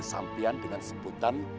sampian dengan sebutan